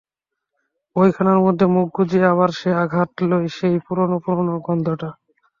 বইখানার মধ্যে মুখ গুজিয়া আবার সে আঘাণ লয়-সেই পুরানো পুরানো গন্ধটা!